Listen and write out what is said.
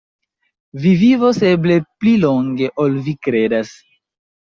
Vi vivos eble pli longe, ol vi kredas.